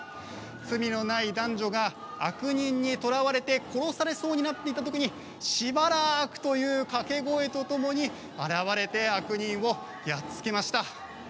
罪のない男女が悪人に捕らわれて殺されそうになっていただけにしばらくという掛け声とともに現れて、悪人をやっつけました。